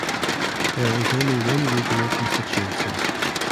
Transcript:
There is only one regional constituency.